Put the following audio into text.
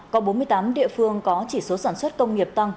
có bốn mươi tám địa phương có chỉ số sản xuất công nghiệp tăng